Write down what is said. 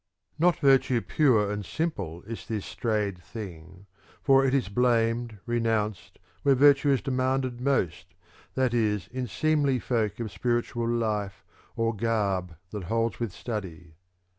(95) Not virtue pure and simple is this strayed thing ; for it is blamed, renounced, where virtue is demanded most, that is in seemly folk of spiritual life or garb that holds with study.